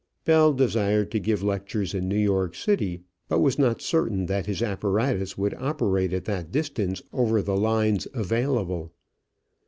Bell desired to give lectures in New York City, but was not certain that his apparatus would operate at that distance over the lines available.